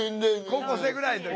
高校生ぐらいの時？